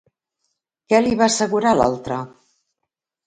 Què li va assegurar l'altre?